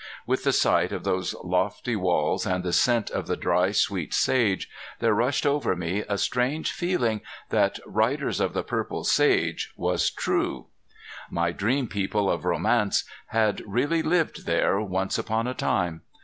With the sight of those lofty walls and the scent of the dry sweet sage there rushed over me a strange feeling that "Riders of the Purple Sage" was true. My dream people of romance had really lived there once upon a time.